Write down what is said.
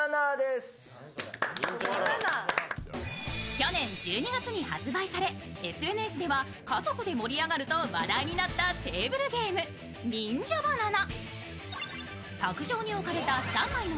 去年１２月に発売され、ＳＮＳでは家族で盛り上がると話題になったテーブルゲーム、「忍者バナナ」。